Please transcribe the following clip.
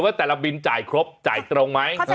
แต่ละบินจ่ายครบจ่ายตรงไหม